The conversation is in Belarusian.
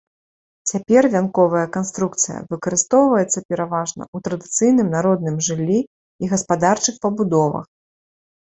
Цяпер вянковая канструкцыя выкарыстоўваецца пераважна ў традыцыйным народным жыллі і гаспадарчых пабудовах.